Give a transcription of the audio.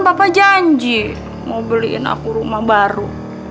bapak janji mau beliin aku rumah baru